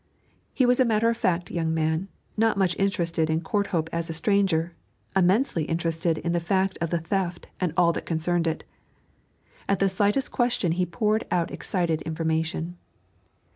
He was a matter of fact young man, not much interested in Courthope as a stranger, immensely interested in the fact of the theft and all that concerned it. At the slightest question he poured out excited information.